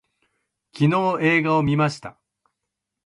昨日映画を見ました